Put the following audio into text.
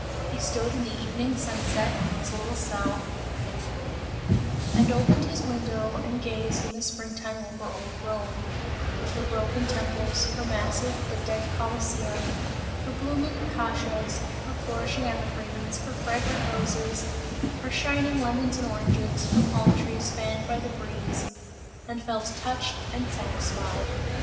He stood in the evening sunset, in his little cell, and opened his window and gazed in the spring time over old Rome with her broken temples, her massive, but dead Colosseum; her blooming acacias, her flourishing evergreens, her fragrant roses, her shining lemons and oranges, her palm trees fanned by the breeze and felt touched and satisfied.